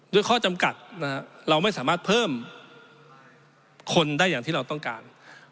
ด้วยข้อจำกัดเราไม่สามารถเพิ่มคนได้อย่างที่เราต้องการ